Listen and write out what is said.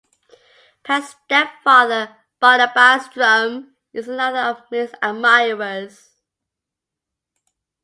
Pat's stepfather Barnabas Drumm is another of Millie's admirers.